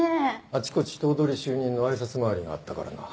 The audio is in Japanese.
あちこち頭取就任の挨拶回りがあったからな。